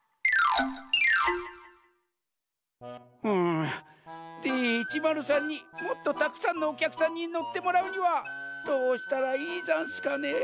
うんＤ１０３にもっとたくさんのおきゃくさんにのってもらうにはどうしたらいいざんすかね。